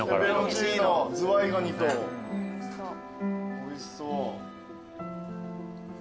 おいしそう。